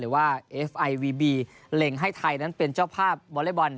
ว่าเอฟไอวีบีเล็งให้ไทยนั้นเป็นเจ้าภาพวอเล็กบอล